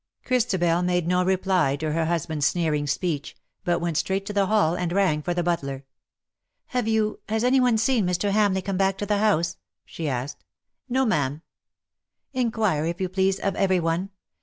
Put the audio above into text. Christabel made no reply to her husband^s sneering speech, but went straight to the hall, and rang for the butler. " Have you — has any one seen Mr. Hamleigh come back to the house V she asked. " No, ma'am.'' " Inquire, if you please, of every one.